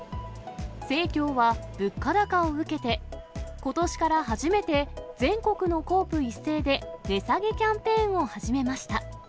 生協は物価高を受けて、ことしから初めて、全国のコープ一斉で値下げキャンペーンを始めました。